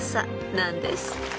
なんです］